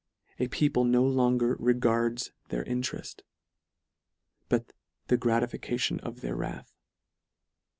A people no longer regards their intereft, but the gratification of their wrath.